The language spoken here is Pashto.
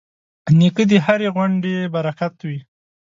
نیکه د هرې غونډې برکت وي.